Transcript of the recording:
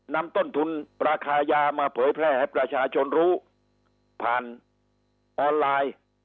นำต้นทุนราคายามาเผยแพร่ให้ประชาชนรู้ผ่านออนไลน์